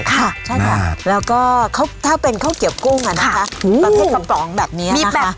ค่ะใช่ค่ะแล้วก็ถ้าเป็นข้าวเกียบกุ้งอ่ะนะคะประเภทกระป๋องแบบนี้